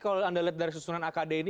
kalau anda lihat dari susunan akademi